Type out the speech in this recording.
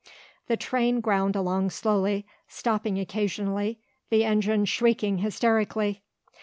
The train ground along slowly, stopping occasionally, the engine shrieking hysterically.